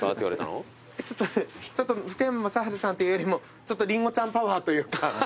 ちょっと福山雅治さんっていうよりもりんごちゃんパワーというか。